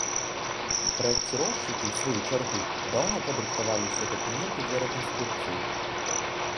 Праекціроўшчыкі, у сваю чаргу, даўно падрыхтавалі ўсе дакументы для рэканструкцыі.